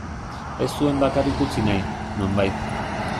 Ez zuen bakarrik utzi nahi, nonbait.